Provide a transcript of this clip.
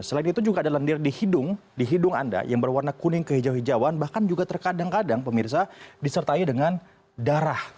selain itu juga ada lendir di hidung anda yang berwarna kuning kehijau hijauan bahkan juga terkadang kadang pemirsa disertai dengan darah